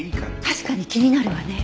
確かに気になるわね。